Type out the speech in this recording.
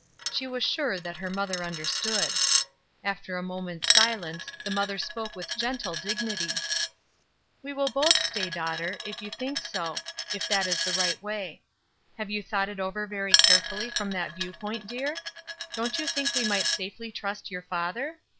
She was sure that her mother understood. After a moment's silence the mother spoke with gentle dignity: — 390 AN EMINENTLY SENSIBLE PERSON 391 ''We will both stay, daughter, if you think so ; if that is the right way. Have you thought it over very carefully from that viewpoint, dear? Don't you think we might safely trust your father?